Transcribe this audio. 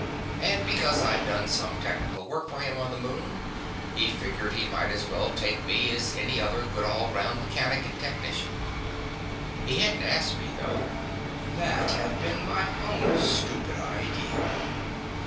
And because I'd done some technical work for him on the Moon, he figured he might as well take me as any other good all around mechanic and technician. He hadn't asked me, though that had been my own stupid idea.